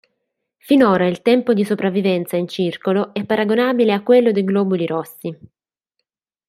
Finora il tempo di sopravvivenza in circolo è paragonabile a quello dei globuli rossi.